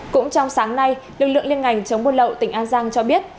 cũng trong sáng nay lực lượng liên ngành chống buôn lậu tỉnh an giang cho biết